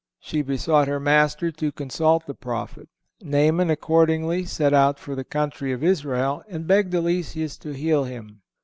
She besought her master to consult the prophet. Naaman, accordingly, set out for the country of Israel and begged Eliseus to heal him.